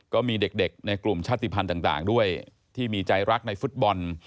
ก็มีเด็กในกลุ่มชาติภัณฑ์ต่างด้วยที่มีใจรักในฟุตบอล